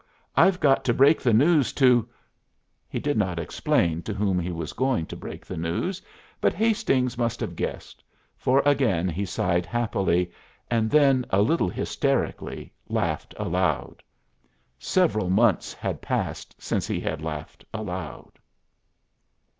I've got to break the news to " He did not explain to whom he was going to break the news; but Hastings must have guessed, for again he sighed happily and then, a little hysterically, laughed aloud. Several months had passed since he had laughed aloud.